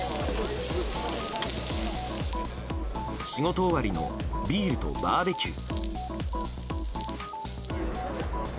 仕事終わりのビールとバーベキュー。